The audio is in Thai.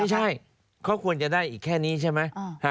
ไม่ใช่เขาควรจะได้อีกแค่นี้ใช่ไหม